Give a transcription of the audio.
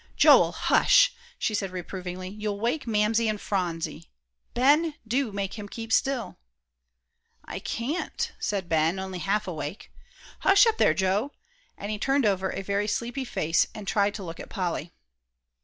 "Joel, hush!" she said reprovingly, "you'll wake Mamsie and Phronsie! Ben, do make him keep still!" "I can't," said Ben, only half awake. "Hush up there, Joe!" and he turned over a very sleepy face, and tried to look at Polly.